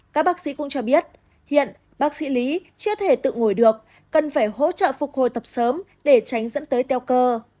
các bác sĩ cũng cho biết hiện bác sĩ lý chưa thể tự ngồi được cần phải hỗ trợ phục hồi tập sớm để tránh dẫn tới teo cơ